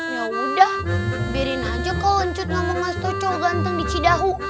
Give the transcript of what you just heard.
yaudah biarin aja kau lencut ngomong ngasih tahu cowok ganteng di cidahu